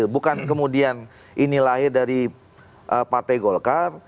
bukan kemudian ini lahir dari partai golkar